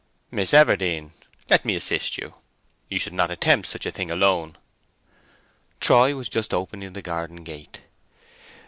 "Miss Everdene, let me assist you; you should not attempt such a thing alone." Troy was just opening the garden gate.